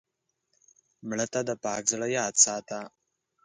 مړه ته د پاک زړه یاد ساته